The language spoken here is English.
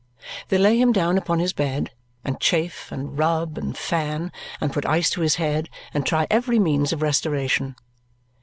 They lay him down upon his bed, and chafe, and rub, and fan, and put ice to his head, and try every means of restoration.